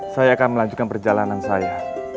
saya akan melanjutkan perjalanan saya